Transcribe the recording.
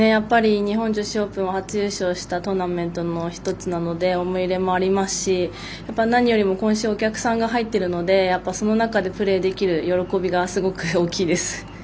日本女子オープンは初優勝したトーナメントの１つなので思い入れもありますし何よりも今週、お客さんが入っているのでその中でプレーできる喜びがすごく大きいです。